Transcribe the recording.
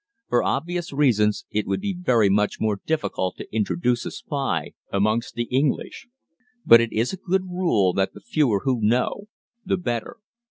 For obvious reasons it would be very much more difficult to introduce a spy amongst the English, but it is a good rule that the fewer who know the better.